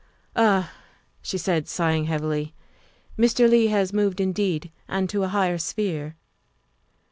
"Ah," she said, sighing heavily, " Mr. Leigh has moved indeed, and to a higher sphere."